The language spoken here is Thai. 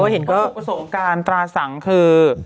เห็นก็ประสบการณ์ตราสังคือ